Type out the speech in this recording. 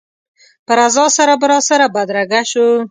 په رضا سره به راسره بدرګه شو.